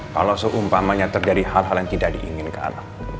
kalau seumpamanya terjadi hal hal yang tidak diinginkan